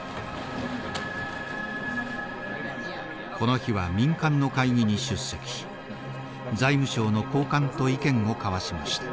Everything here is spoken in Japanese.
この日は民間の会議に出席し財務省の高官と意見を交わしました。